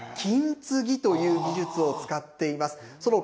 金継ぎという技術を使っています。